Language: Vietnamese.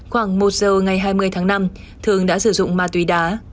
khoảng một giờ ngày hai mươi tháng năm thường đã sử dụng ma túy đá